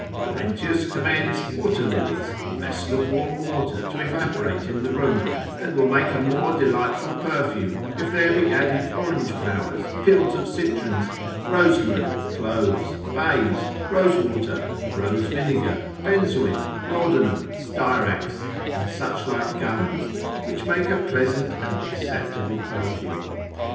Laurentius commends water lilies, a vessel of warm water to evaporate in the room, which will make a more delightful perfume, if there be added orange flowers, pills of citrons, rosemary, cloves, bays, rosewater, rose vinegar, benzoin, laudanum, styrax, and such like gums, which make a pleasant and acceptable perfume.